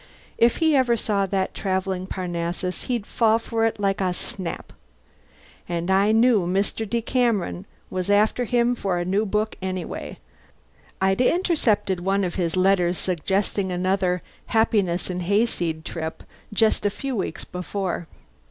If he ever saw that travelling Parnassus he'd fall for it like snap. And I knew Mr. Decameron was after him for a new book anyway. (I'd intercepted one of his letters suggesting another "Happiness and Hayseed" trip just a few weeks before.